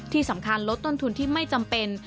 ที่สำคัญลดต้นทุนที่ไม่จำเป็น